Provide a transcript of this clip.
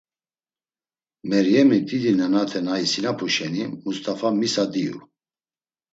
Meryemi didi nenate na isinapu şeni, Must̆afa misa diu.